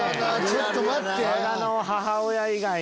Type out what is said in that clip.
ちょっと待てよ。